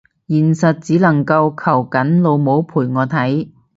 現實只能夠求緊老母陪我睇